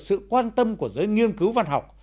sự quan tâm của giới nghiên cứu văn học